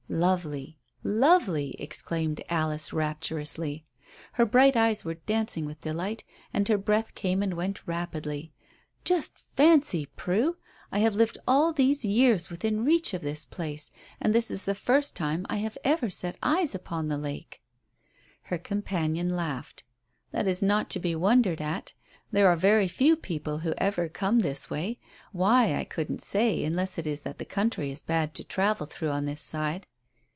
"Lovely lovely," exclaimed Alice rapturously. Her bright eyes were dancing with delight, and her breath came and went rapidly. "Just fancy, Prue; I have lived all these years within reach of this place and this is the first time I have ever set eyes upon the lake." Her companion laughed. "That is not to be wondered at. There are very few people who ever come this way. Why, I couldn't say, unless it is that the country is bad to travel through on this side.